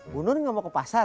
bu nur nggak mau ke pasar